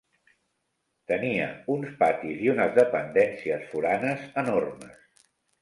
Tenia uns patis i unes dependències foranes enormes